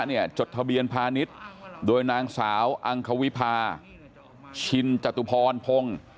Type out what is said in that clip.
จดทะเบียนพาณิชย์โดยนางสาวอังควิพาชินจตุพรพงศ์